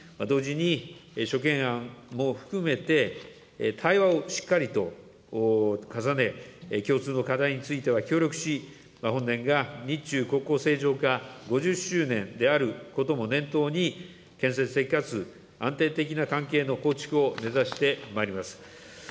同時に諸懸案も含めて対話をしっかりと重ね、共通の課題については協力し、本年が日中国交正常化５０周年であることも念頭に建設的かつ安定的な関係の構築を目指してまいります。